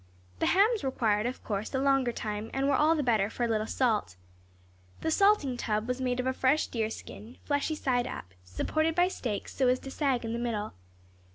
The hams required, of course, a longer time, and were all the better for a little salt. The salting tub was made of a fresh deer's skin, fleshy side up, supported by stakes so as to sag in the middle.